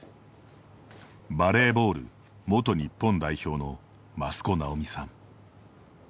バレーボール元日本代表の益子直美さん。